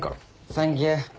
サンキュー。